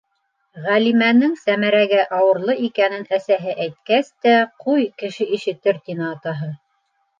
Ғәлимәнең Сәмәрәгә ауырлы икәнен әсәһе әйткәс тә: «Ҡуй, кеше ишетер!» тине атаһы.